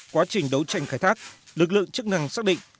quá trình đấu tranh khai thác lực lượng chức năng xác định